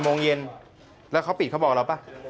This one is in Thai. โมงเย็นแล้วเขาปิดเขาบอกเราป่ะ